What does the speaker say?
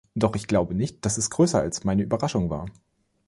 Doch ich glaube nicht, dass es größer als meine Überraschung war.